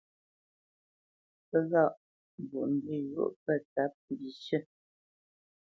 Pə́ ghâʼ Mbwoʼmbî njwōʼ pə̂ tsǎp mbishʉ̂.